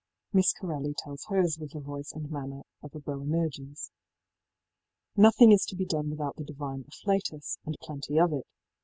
Miss Corelli tells hers with the voice and manner of a Boanerges.. Nothing is to be done without the divine afflatus, and plenty of it.